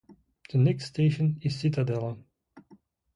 The next station is Zitadelle.